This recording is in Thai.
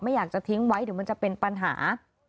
อยากจะทิ้งไว้เดี๋ยวมันจะเป็นปัญหา